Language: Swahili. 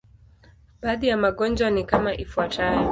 Baadhi ya magonjwa ni kama ifuatavyo.